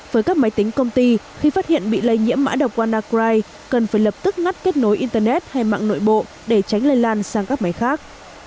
với các máy tính công ty khi phát hiện bị lây nhiễm mã độc wannacry cần phải lập tức ngắt kết nối internet hay mạng nội bộ để tránh lây lan sang các máy khác